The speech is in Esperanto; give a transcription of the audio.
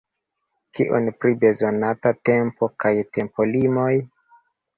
Kion pri bezonata tempo kaj tempolimoj?